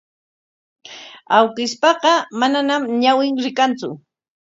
Awkishpaqa manañam ñawin rikantsu.